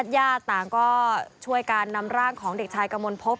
ญาติต่างก็ช่วยการนำร่างของเด็กชายกระมวลพบ